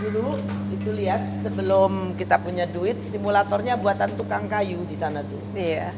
dulu itu lihat sebelum kita punya duit simulatornya buatan tukang kayu di sana dulu